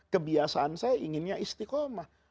kebiasaan saya inginnya istiqomah